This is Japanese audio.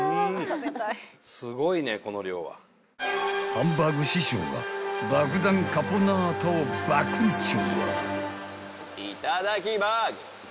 ［ハンバーグ師匠が爆弾カポナータをバクンチョ］